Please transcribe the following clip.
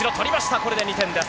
これで２点です。